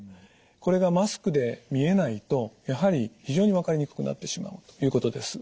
これがマスクで見えないとやはり非常に分かりにくくなってしまうということです。